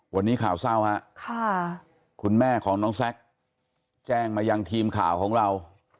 วันนี้ข่าวเศร้าฮะคุณแม่ของน้องแซคแจ้งมายังทีมข่าวของเรา